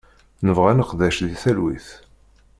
Nebɣa ad neqdec di talwit.